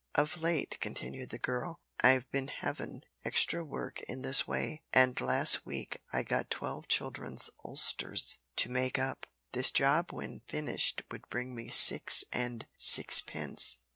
"Of late," continued the girl, "I've bin havin' extra work in this way, and last week I got twelve children's ulsters to make up. This job when finished would bring me six and sixpence."